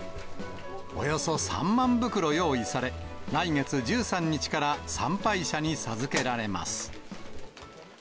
およそ３万袋用意され、来月１３日から参拝者に授けられます。